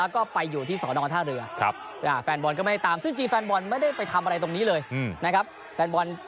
ก็ส่งรถตู้นี่มารับ